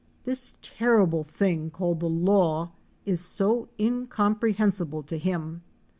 This terrible thing called the Law is so incomprehensible to him.